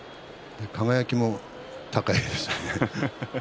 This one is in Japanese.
輝も高いですね。